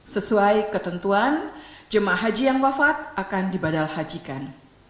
sesuai ketentuan jemaah haji yang wafat akan dibadal hajikan